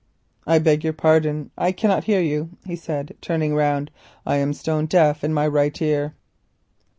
"I beg your pardon, I cannot hear you," he said, turning round; "I am stone deaf in my right ear."